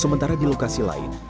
sementara di lokasi lain